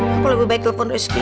aku lebih baik telepon rizky